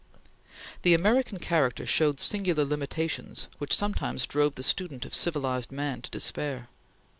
The American character showed singular limitations which sometimes drove the student of civilized man to despair.